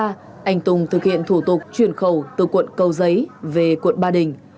công dân cũng thực hiện thủ tục chuyển khẩu từ quận cầu giấy về quận ba đình